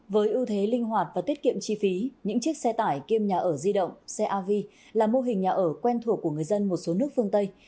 với ưu thế linh hoạt và tiết kiệm chi phí những chiếc xe tải kiêm nhà ở di động xe rv là mô hình nhà ở quen thuộc của người dân một số nước phương tây